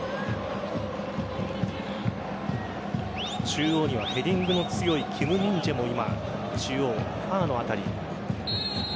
中央にはヘディングの強いキム・ミンジェも今中央、ファーの辺り。